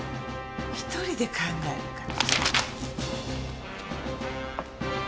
１人で考えるから。